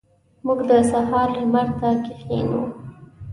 موږ د سهار لمر ته کښینو.